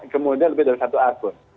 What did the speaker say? kemudian lebih dari satu akun